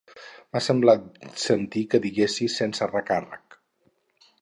M'ha semblat sentir que diguessis sense recàrrec.